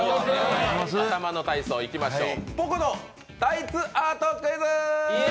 頭の体操、いきましょう。